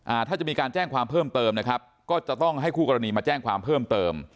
ถ้าจะมีการแจ้งความเพิ่มเติมนะครับก็จะต้องให้คู่กรณีมาแจ้งความเพิ่มเติม